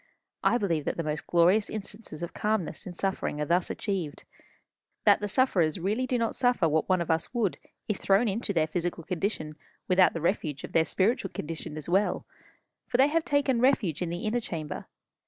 I believe that the most glorious instances of calmness in suffering are thus achieved; that the sufferers really do not suffer what one of us would if thrown into their physical condition without the refuge of their spiritual condition as well; for they have taken refuge in the inner chamber.